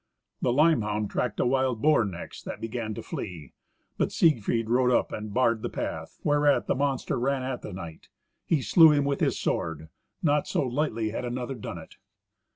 The limehound tracked a wild boar next that began to flee. But Siegfried rode up and barred the path, whereat the monster ran at the knight. He slew him with his sword. Not so lightly had another done it.